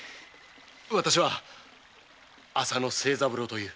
わたしは浅野清三郎という。